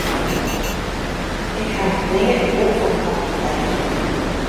Ik ha noch nea in boek fan de man útlêzen.